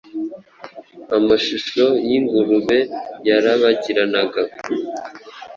Amashusho yingurube yarabagiranaga